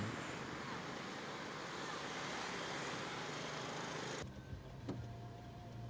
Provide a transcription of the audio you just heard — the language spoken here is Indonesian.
pembelian kereta api sebidang